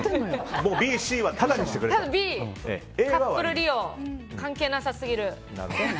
カップル利用、関係なさすぎる。